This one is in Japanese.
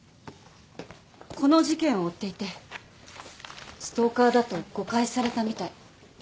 この事件を追っていてストーカーだと誤解されたみたい。